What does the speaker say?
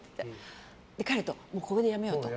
彼とここでやめようと。